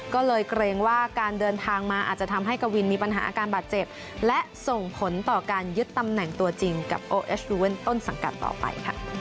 ก็เลยเกรงว่าการเดินทางมาอาจจะทำให้กวินมีปัญหาอาการบาดเจ็บและส่งผลต่อการยึดตำแหน่งตัวจริงกับโอเอสยูเวนต้นสังกัดต่อไป